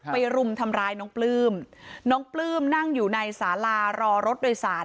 รุมทำร้ายน้องปลื้มน้องปลื้มนั่งอยู่ในสาลารอรถโดยสาร